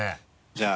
じゃあ。